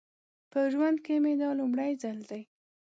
په ژوند کې مې دا لومړی ځل دی.